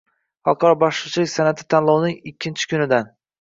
Xalqaro baxshichilik san’ati tanlovining ikkinchi kunidan